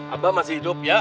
abah masih hidup ya